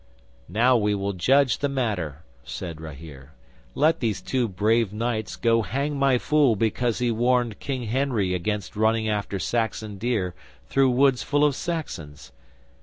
'"Now we will judge the matter," said Rahere. "Let these two brave knights go hang my fool because he warned King Henry against running after Saxon deer through woods full of Saxons.